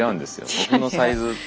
僕のサイズ。